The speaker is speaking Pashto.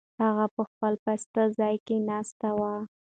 هغه په خپل پاسته ځای کې ناست و.